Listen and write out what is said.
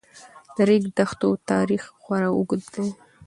د ریګ دښتو تاریخ خورا اوږد دی.